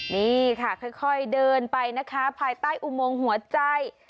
นี่ค่ะค่อยเดินไปนะคะภายใต้อุโมงหัวใจ